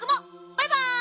バイバイ！